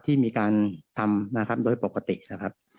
ที่มีการทำนะครับโดยปกตินะครับ